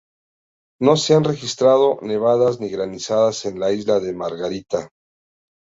No se han registrado nevadas ni granizadas en la isla de Margarita.